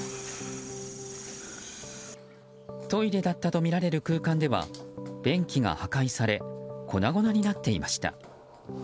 トイレだったとみられる空間では便器が破壊され粉々になっていました。